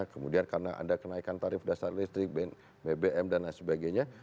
kemudian karena ada kenaikan tarif dasar listrik bbm dan lain sebagainya